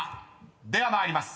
［では参ります。